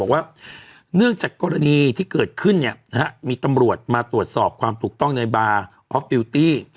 ว่าเนื่องจากกรณีที่เกิดขึ้นเนี่ยนะฮะมีตำรวจมาตรวจสอบความถูกต้องในบาร์ออฟฟิลตี้